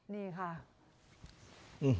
นี่ค่ะ